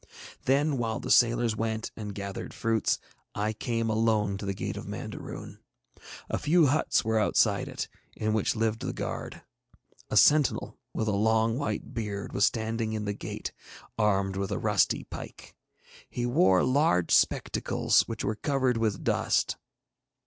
Then while the sailors went and gathered fruits I came alone to the gate of Mandaroon. A few huts were outside it, in which lived the guard. A sentinel with a long white beard was standing in the gate, armed with a rusty pike. He wore large spectacles, which were covered with dust.